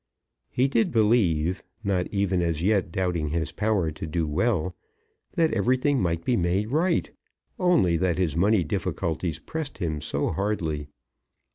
He did believe, not even as yet doubting his power to do well, that everything might be made right, only that his money difficulties pressed him so hardly.